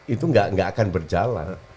itu gak akan berjalan